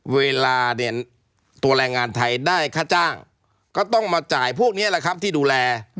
เวลาเนี่ยตัวแรงงานไทยได้ค่าจ้างก็ต้องมาจ่ายพวกนี้แหละครับที่ดูแล